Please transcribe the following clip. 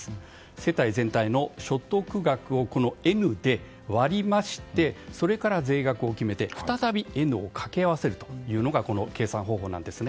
世帯全体の所得額をＮで割りましてそれから税額を決めて再びＮを掛け合わせるというのがこの計算方法なんですね。